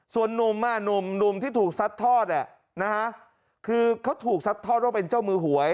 ส่วนนุ่มหนุ่มที่ถูกซัดทอดคือเขาถูกซัดทอดว่าเป็นเจ้ามือหวย